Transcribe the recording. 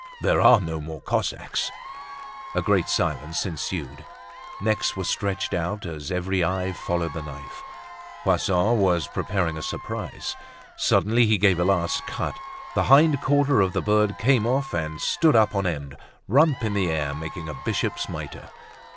"There are no more Cossacks." A great silence ensued. Necks were stretched out as every eye followed the knife. Poisson was preparing a surprise. Suddenly he gave a last cut; the hind quarter of the bird came off and stood up on end, rump in the air, making a bishop's mitre.